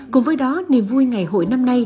cùng với đó niềm vui ngày hội năm nay